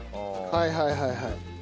はいはいはいはい。